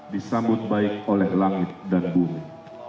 disambut baik oleh langit dan bumi